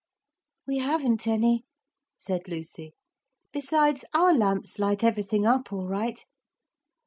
'We haven't any,' said Lucy; 'besides our lamps light everything up all right.